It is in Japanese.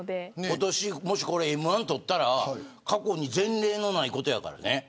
今年、もしＭ‐１取ったら過去に前例のないことやからね